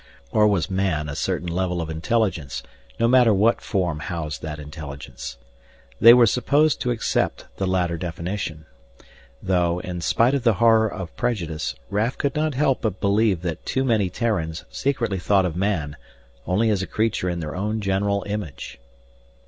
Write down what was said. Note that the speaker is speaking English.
Or was "man" a certain level of intelligence, no matter what form housed that intelligence? They were supposed to accept the latter definition. Though, in spite of the horror of prejudice, Raf could not help but believe that too many Terrans secretly thought of "man" only as a creature in their own general image.